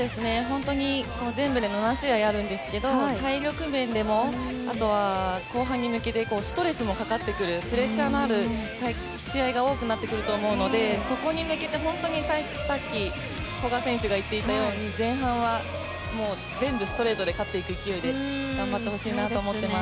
全部で７試合あるんですけど体力面でも後半に向けてストレスもかかってくるプレッシャーのある試合が多くなってくると思うのでそこに向けて、さっき古賀選手が言っていたように前半は全部ストレートで勝っていく勢いで頑張ってほしいと思っています。